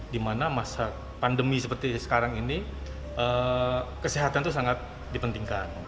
di mana masa pandemi seperti sekarang ini kesehatan itu sangat dipentingkan